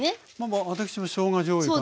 私もしょうがじょうゆかな。